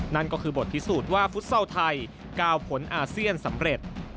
นั่นก็คือบทพิสูจน์ว่าฟุตซอลไทยก้าวผลอาเซียนสำเร็จ